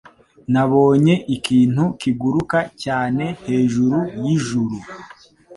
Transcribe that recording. Nabonye ikintu kiguruka cyane hejuru yijuru